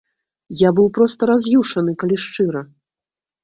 Я быў проста раз'юшаны, калі шчыра.